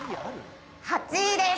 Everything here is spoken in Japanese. ８位です。